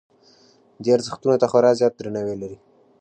دې ارزښتونو ته خورا زیات درناوی لري.